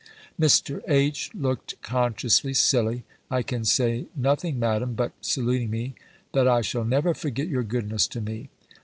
Mr. H. looked consciously silly. "I can say nothing, Madam, but" (saluting me) "that I shall never forget your goodness to me."